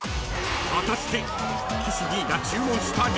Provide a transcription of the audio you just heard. ［果たして］